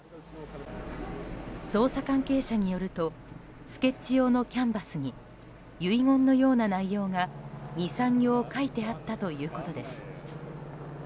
捜査関係者によるとスケッチ用キャンバスに遺言のような内容が２３行書いてあったということです。